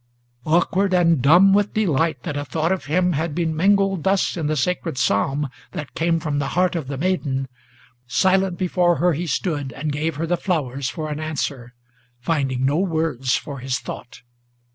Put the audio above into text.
Awkward and dumb with delight, that a thought of him had been mingled Thus in the sacred psalm, that came from the heart of the maiden, Silent before her he stood, and gave her the flowers for an answer, Finding no words for his thought.